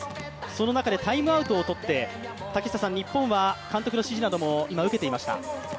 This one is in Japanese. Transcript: その中でタイムアウトを取って、日本は監督の指示なども受けていました。